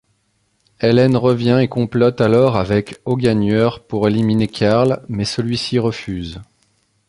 Hélène revient et complote alors avec Augagneur pour éliminer Karl, mais celui-ci refuse.